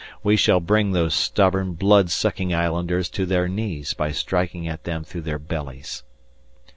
We shall bring those stubborn, blood sucking islanders to their knees by striking at them through their bellies.